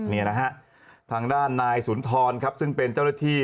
นี่นะฮะทางด้านนายสุนทรครับซึ่งเป็นเจ้าหน้าที่